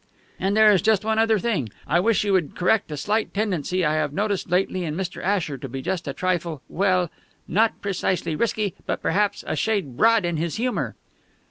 "And there is just one other thing. I wish you would correct a slight tendency I have noticed lately in Mr. Asher to be just a trifle well, not precisely risky, but perhaps a shade broad in his humor."